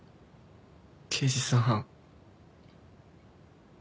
刑事さん。